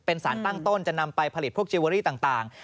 เป็นสารตั้งต้นจะนำไปผลิตพวกจิลเวอรี่ต่าง